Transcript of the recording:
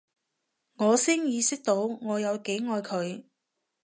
我先意識到我有幾愛佢